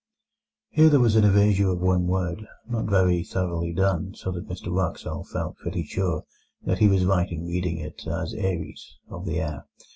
Here there was an erasure of one word, not very thoroughly done, so that Mr Wraxall felt pretty sure that he was right in reading it as aëris ("of the air").